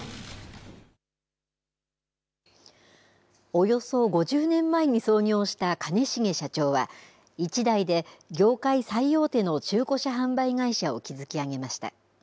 およそ５０年前に創業した兼重社長は、一代で業界最大手の中古車販売会社を築き上げました。